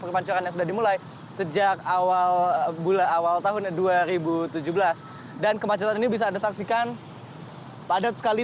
perpancuran yang sudah dimulai sejak awal tahun dua ribu tujuh belas dan kemacetan ini bisa anda saksikan padat sekali